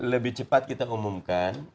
lebih cepat kita umumkan